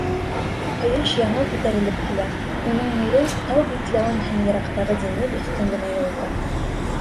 Ҡояш яңы күтәрелеп килә, уның нуры тау битләүен һәм йыраҡтағы диңгеҙ өҫтөн генә йылыта.